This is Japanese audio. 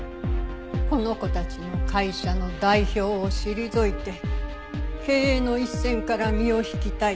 この子たちの会社の代表を退いて経営の一線から身を引きたいと。